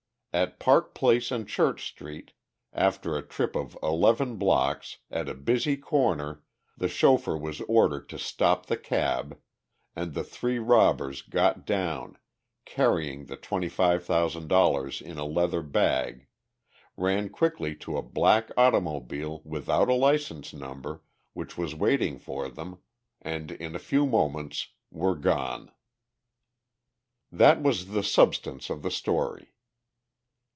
At Park Place and Church street, after a trip of eleven blocks, at a busy corner, the chauffeur was ordered to stop the cab, and the three robbers got down, carrying the $25,000 in a leather bag, ran quickly to a black automobile without a license number which was waiting for them, and in a few moments were gone. That was the substance of the story.